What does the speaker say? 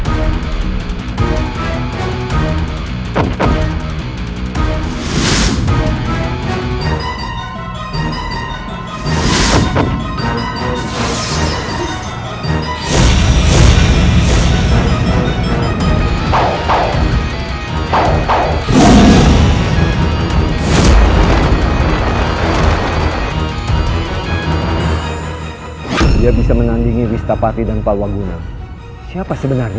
aku tidak bisa terus di sini